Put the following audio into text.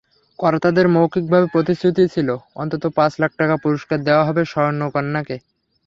কর্তাদের মৌখিকভাবে প্রতিশ্রুতি ছিল, অন্তত পাঁচ লাখ টাকা পুরস্কার দেওয়া হবে স্বর্ণকন্যাকে।